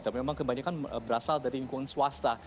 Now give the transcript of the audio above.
tapi memang kebanyakan berasal dari lingkungan swasta